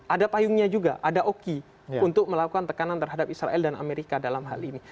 ada payungnya juga ada oki untuk melakukan tekanan terhadap israel dan amerika dalam hal ini